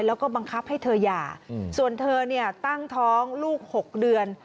แล้วก็บังคับให้เธอหย่าส่วนเธอเนี่ยตั้งท้องลูก๖เดือน